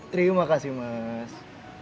terima kasih mas